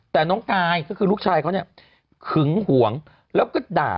แต่น้องกายก็คือลูกชายเขาเนี่ยหึงห่วงแล้วก็ด่า